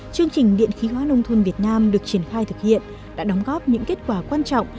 chương trình điện khí hóa nông thôn việt nam được triển khai thực hiện đã đóng góp những kết quả quan trọng